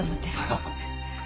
ハハハ。